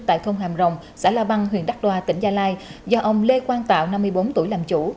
tại thôn hàm rồng xã lạ băng huyền đắc đòa tỉnh gia lai do ông lê quang tạo năm mươi bốn tuổi làm chủ